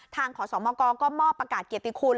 ขอสมกก็มอบประกาศเกียรติคุณ